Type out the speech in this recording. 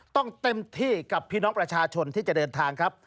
เต็มที่กับพี่น้องประชาชนที่จะเดินทางครับ